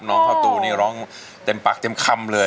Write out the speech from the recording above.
น้องข้าวตูนี่ร้องเต็มปากเต็มคำเลย